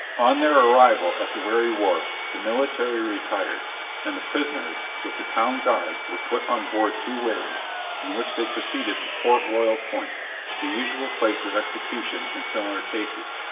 On their arrival at the wherry wharf, the military retired, and the prisoners, with the Town Guard were put on board two wherries, in which they proceeded to Port Royal Point, the usual place of execution in similar cases.